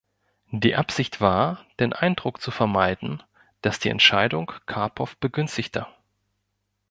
Die Absicht war, den Eindruck zu vermeiden, dass die Entscheidung Karpov begünstigte.